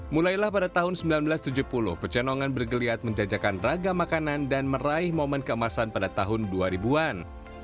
mulailah pada tahun seribu sembilan ratus tujuh puluh pecenongan bergeliat menjajakan raga makanan dan meraih momen keemasan pada tahun dua ribu an